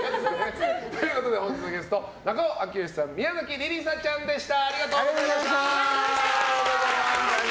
本日のゲスト、中尾明慶さん宮崎莉里沙ちゃんでした。